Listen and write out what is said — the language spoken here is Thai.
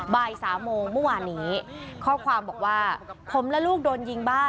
บ่ายสามโมงเมื่อวานี้ข้อความบอกว่า